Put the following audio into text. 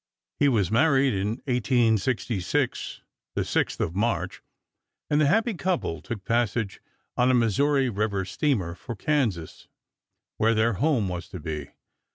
He was married in 1866, the 6th of March, and the happy couple took passage on a Missouri River steamer for Kansas, where their home was to be.